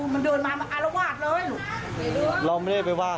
มันนี่แหละมันเมามันตีกับเมียมัน